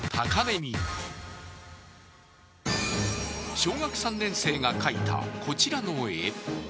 小学３年生が描いた、こちらの絵